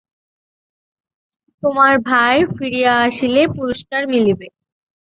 তোমার ভাই ফিরিয়া আসিলে পুরস্কার মিলিবে।